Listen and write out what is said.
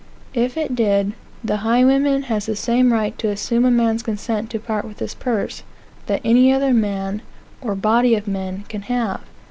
If it did, the highwayman has the same right to assume a man's consent to part with his purse, that any other man, or body of men, can have.